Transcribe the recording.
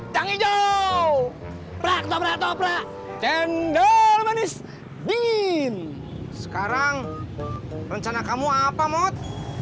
yang hijau prak toprak cendol manis dingin sekarang rencana kamu apa mod